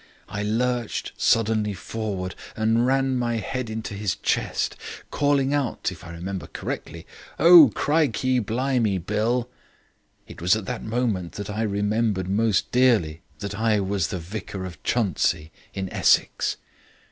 I lurched suddenly forward and ran my head into his chest, calling out (if I remember correctly), 'Oh, crikey, blimey, Bill.' It was at that moment that I remembered most dearly that I was the Vicar of Chuntsey, in Essex.